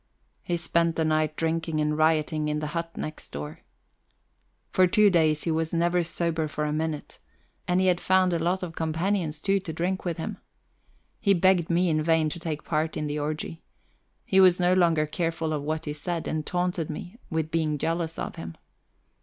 He spent the night drinking and rioting in the hut next door. For two days he was never sober for a minute, and he had found a lot of companions, too, to drink with him. He begged me in vain to take part in the orgy. He was no longer careful of what he said, and taunted me with being jealous of him.